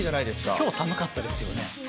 きょう寒かったですよね。